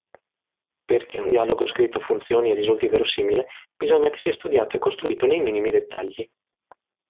Perché un dialogo scritto funzioni e risulti verosimile, bisogna che sia studiato e costruito nei minimi dettagli.